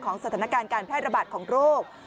สถานการณ์การแพร่ระบาดของโรค